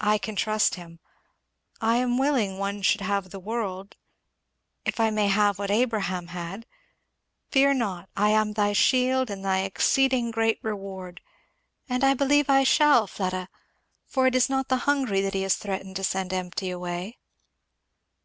I can trust him. I am willing any one should have the world, if I may have what Abraham had 'Fear not; I am thy shield and thy exceeding great reward;' and I believe I shall, Fleda; for it is not the hungry that he has threatened to send empty away."